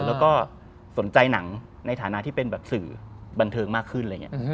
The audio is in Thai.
แล้วก็สนใจหนังในฐานะที่เป็นแบบสื่อบันเทิงมากขึ้น